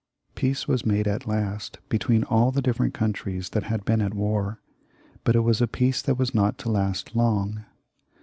Peace was made at last between all the different countries that had been at war, but it was a peace that was not to last long.